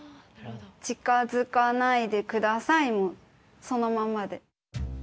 「近づかないでください」もそのままで。